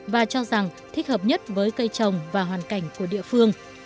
và cho rằng thích hợp nhất với cây trồng và hoàn cảnh của địa phương